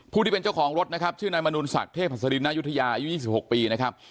ที่เป็นเจ้าของรถนะครับชื่อนายมนุนศักดิเทพหัสดินนายุธยาอายุ๒๖ปีนะครับ